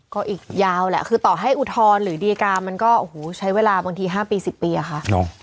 ก็อีกยาวแหละคือต่อให้อุทธรณ์หรือดีการมันก็โอ้โหใช้เวลาบางที๕ปี๑๐ปีอะค่ะ